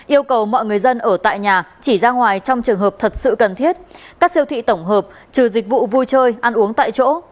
yêu cầu mọi người dân ở tại nhà chỉ ra ngoài trong trường hợp thật sự cần thiết các siêu thị tổng hợp trừ dịch vụ vui chơi ăn uống tại chỗ